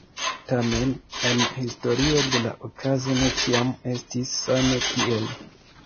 Tamen en historio de la okazo ne ĉiam estis same tiel.